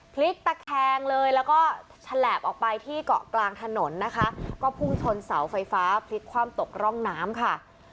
พลิกตะแคงเลยแล้วก็ฉลาบออกไปที่เกาะกลางถนนนะคะก็พุ่งชนเสาไฟฟ้าพลิกคว่ำตกร่องน้ำค่ะ